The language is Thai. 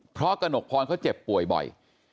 เพราะกระหนกพรเขาเจ็บป่วยบ่อย